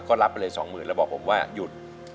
ก็รับไปเลย๒๐๐๐แล้วบอกผมว่าหยุด